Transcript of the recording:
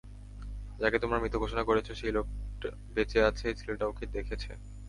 যাকে তোমরা মৃত ঘোষণা করেছ, সেই লোক বেঁচে আছে, ছেলেটা ওকে দেখেছে।